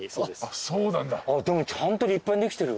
でもちゃんと立派にできてる。